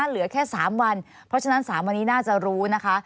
เหลือแค่๓วันเพราะฉะนั้น๓วันนี้น่าจะรู้นะคะ